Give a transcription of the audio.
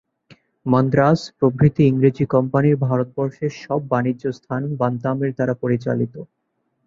মান্দ্রাজ প্রভৃতি ইংরেজী কোম্পানির ভারতবর্ষের সব বাণিজ্যস্থান বান্তামের দ্বারা পরিচালিত।